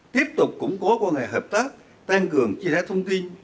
tiếp tục củng cố quan hệ hợp tác tăng cường chia sẻ thông tin